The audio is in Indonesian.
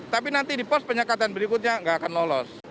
tapi nanti di pos penyekatan berikutnya nggak akan lolos